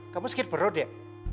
kamu sakit perut ya